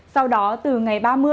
sau đó từ ngày ba mươi